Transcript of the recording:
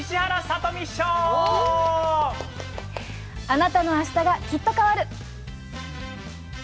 あなたのあしたがきっと変わる。